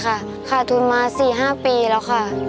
ขาดทุนมา๔๕ปีแล้วค่ะ